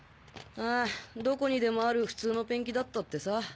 ああどこにでもある普通のペンキだったってさ。